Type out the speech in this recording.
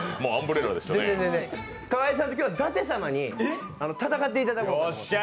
河井さんと今日は舘様に戦っていただこうかと。